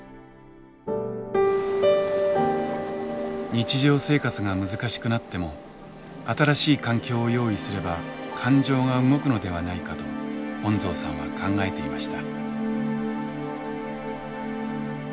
日常生活が難しくなっても新しい環境を用意すれば感情が動くのではないかと恩蔵さんは考えていました。